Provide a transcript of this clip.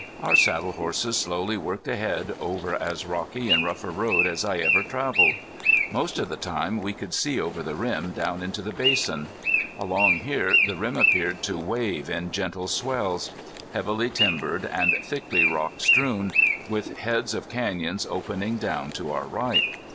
Our saddle horses slowly worked ahead over as rocky and rough a road as I ever traveled. Most of the time we could see over the rim down into the basin. Along here the rim appeared to wave in gentle swells, heavily timbered and thickly rock strewn, with heads of canyons opening down to our right.